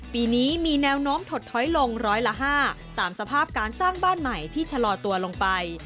ปีนี้มีแนวโน้มถดถอยลงร้อยละ๕ตามสภาพการสร้างบ้านใหม่ที่ชะลอตัวลงไป